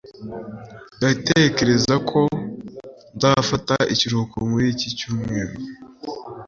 ndatekereza ko nzafata ikiruhuko muri iki cyumweru